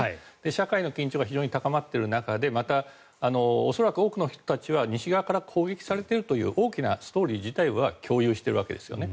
社会の緊張が非常に高まっている中でまた、恐らく多くの人たちは西側から攻撃されているという大きなストーリー自体は共有しているわけですね。